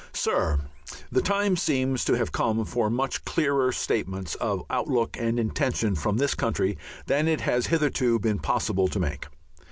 Sir, The time seems to have come for much clearer statements of outlook and intention from this country than it has hitherto been possible to make.